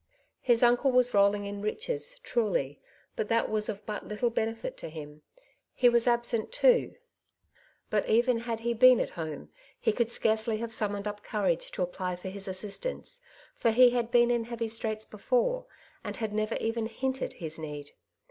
His uncle was rolling in riches, truly, but that was of but little benefit to him. He ivas absent too; but even had he been at home, he could scarcely have summoned up courage to apply for his assistance, for he had been in heavy straits before, and had never even hinted his need.